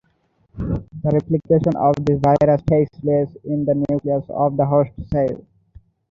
The replication of this virus takes place in the nucleus of the host cell.